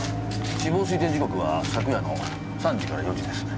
死亡推定時刻は昨夜の３時から４時です。